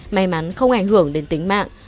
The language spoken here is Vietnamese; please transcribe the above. may mắn không ảnh hưởng đến tính mạng